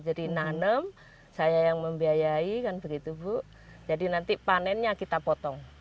jadi nanem saya yang membiayai kan begitu bu jadi nanti panennya kita potong